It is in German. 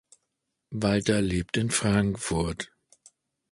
Walter lebt in Frankfurt.